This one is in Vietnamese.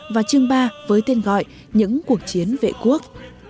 và chương ba với tên gọi những cuộc chiến vệ quốc